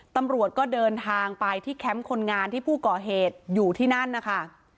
ตำรวจก็เดินทางไปที่แคมป์คนงานที่ผู้ก่อเหตุอยู่ที่นั่นนะคะ